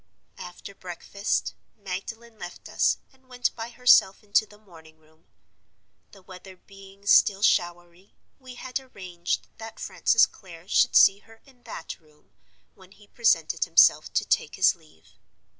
"After breakfast Magdalen left us, and went by herself into the morning room. The weather being still showery, we had arranged that Francis Clare should see her in that room, when he presented himself to take his leave.